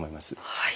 はい。